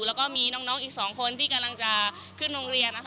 แล้วก็มีน้องอีก๒คนที่กำลังจะขึ้นโรงเรียนนะคะ